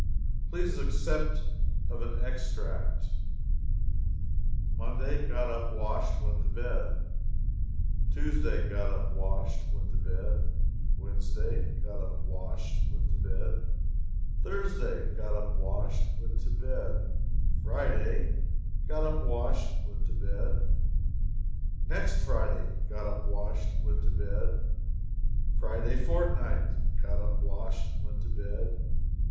Please accept of an extract: "Monday Got up, washed, went to bed. "Tuesday Got up, washed, went to bed. "Wednesday Got up, washed, went to bed. "Thursday Got up, washed, went to bed. "Friday Got up, washed, went to bed. "Next Friday Got up, washed, went to bed. "Friday fortnight Got up, washed, went to bed.